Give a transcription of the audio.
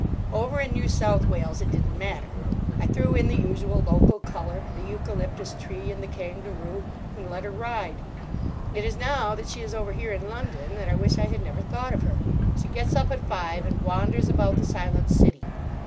Over in New South Wales it didn't matter. I threw in the usual local colour—the eucalyptus tree and the kangaroo—and let her ride. It is now that she is over here in London that I wish I had never thought of her. She gets up at five and wanders about the silent city.